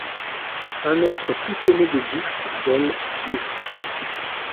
Un être tout semé de bouches, d’ailes, d’yeux ;